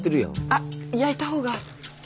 あっ焼いた方が。